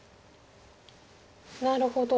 なるほど。